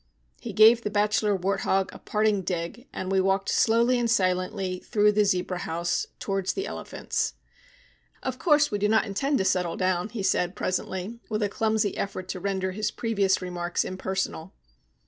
He gave the bachelor wart hog a parting dig, and we walked slowly and silently through the zebra house towards the elephants. "Of course we do not intend to settle down," he said presently, with a clumsy effort to render his previous remarks impersonal.